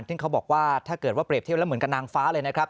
ซึ่งเขาบอกว่าถ้าเกิดว่าเปรียบเทียบแล้วเหมือนกับนางฟ้าเลยนะครับ